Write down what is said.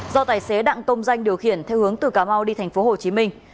do tài xế đặng công danh điều khiển theo hướng từ cà mau đi thành phố hồ chí minh